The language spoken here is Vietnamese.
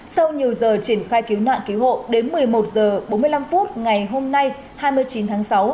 sau nhiều giờ triển khai cứu nạn cứu hộ đến một mươi một h bốn mươi năm ngày hôm nay hai mươi chín tháng sáu